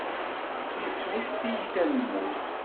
Yettwet tiyita n lmut.